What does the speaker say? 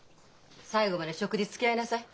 最後まで食事つきあいなさい。